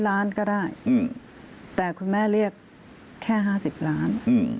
ล้านก็ได้แต่คุณแม่เรียกแค่๕๐ล้าน